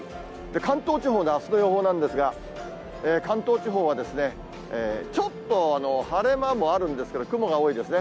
関東地方のあすの予報なんですが、関東地方はちょっと晴れ間もあるんですけれど、雲が多いですね。